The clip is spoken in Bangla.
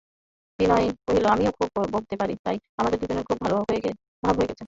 বিনয় কহিল, আমিও খুব বকতে পারি তাই আমাদের দুজনের খুব ভাব হয়ে গেছে।